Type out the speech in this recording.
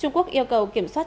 trung quốc yêu cầu kiểm soát